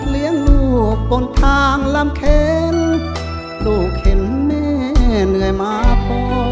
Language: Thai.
เลี้ยงลูกบนทางลำเคนลูกเห็นแม่เหนื่อยมาพ่อ